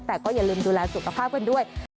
แต่ก็อย่าลืมดูแลสุขภาพกันด้วย